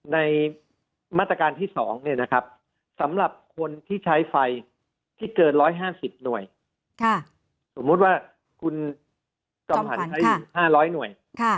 ในมาตรการที่๒สำหรับคนที่ใช้ไฟที่เกิน๑๕๐หน่วยสมมุติว่าคุณจอมขวัญใช้๕๐๐หน่วย